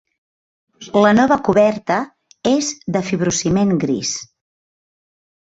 La nova coberta és de fibrociment gris.